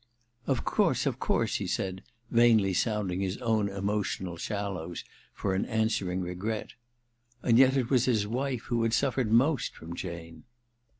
* Of course, of course,' he said, vainly sound ing his own emotional shallows for an answering r^ret. And yet it was his wife who had suffered most from Jane